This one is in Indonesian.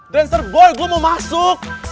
dancer boy gue mau masuk